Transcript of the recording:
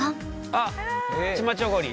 あっチマチョゴリ。